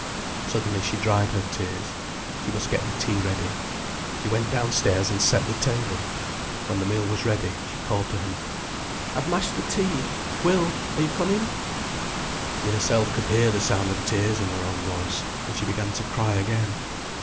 Suddenly she dried her tears. She must get the tea ready. She went downstairs and set the table. When the meal was ready, she called to him. "I've mashed the tea, Will, are you coming?" She herself could hear the sound of tears in her own voice, and she began to cry again.